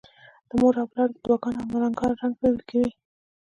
د مور او پلار د دعاګانو او ملنګانو رنګ پکې وي.